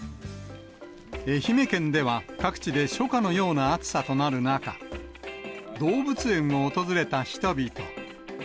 愛媛県では、各地で初夏のような暑さとなる中、動物園を訪れた人々。